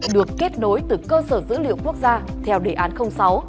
được kết nối từ cơ sở dữ liệu quốc gia theo đề án sáu